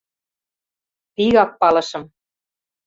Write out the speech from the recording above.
Вигак палышым.